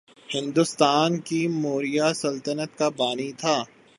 ہندوستان کی موریا سلطنت کا بانی تھا